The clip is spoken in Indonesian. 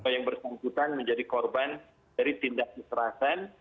yang bersangkutan menjadi korban dari tindak kekerasan